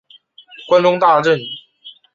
关中大震。